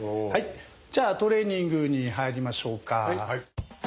じゃあトレーニングに入りましょうか。